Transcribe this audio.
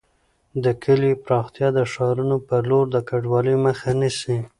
د کليو پراختیا د ښارونو پر لور د کډوالۍ مخه نیسي.